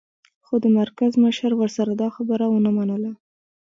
خو د مرکز مشر ورسره دا خبره و نه منله